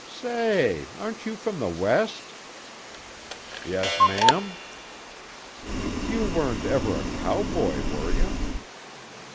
"Say, aren't you from the West?" "Yes, ma'am." "You weren't ever a cowboy, were you?"